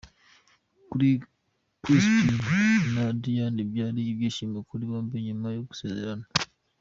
Kuri Crispin na Diane, byari ibyishimo kuri bombi nyuma yo gusezerana.